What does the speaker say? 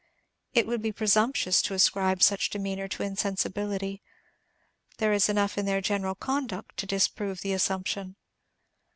It would be presumptuous to ascribe such demeanor to insensibility. There is enough in their general conduct to disprove the assumption.